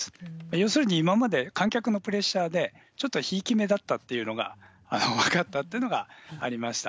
要するに、今まで観客のプレッシャーでちょっとひいきめだったっていうのが分かったというのがありました。